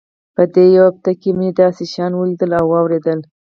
په دې يوه هفته کښې مې داسې شيان وليدل او واورېدل.